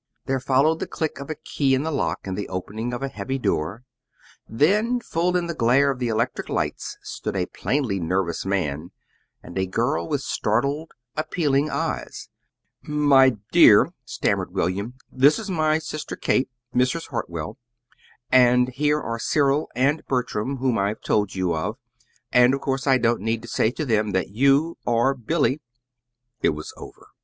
There followed the click of a key in the lock and the opening of a heavy door; then, full in the glare of the electric lights stood a plainly nervous man, and a girl with startled, appealing eyes. "My dear," stammered William, "this is my sister, Kate, Mrs. Hartwell; and here are Cyril and Bertram, whom I've told you of. And of course I don't need to say to them that you are Billy." It was over.